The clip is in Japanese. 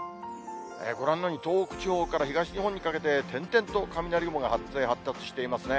ご覧のように、東北地方から東日本にかけて点々と雷雲が発生、発達していますね。